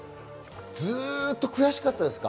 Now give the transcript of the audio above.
ずっと悔しかったですか？